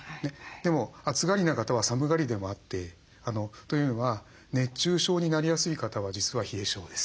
でも暑がりな方は寒がりでもあってというのは熱中症になりやすい方は実は冷え症です。